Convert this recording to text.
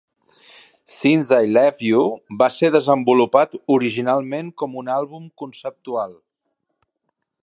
"Since I Left You" va ser desenvolupat originalment com un àlbum conceptual.